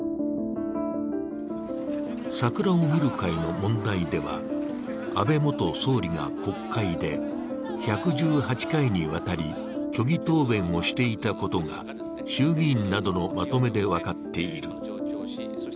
桜を見る会の問題では、安倍元総理が国会で１１８回にわたり虚偽答弁をしていたことが衆議院などのまとめで分かっている。